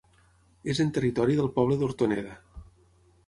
És en territori del poble d'Hortoneda.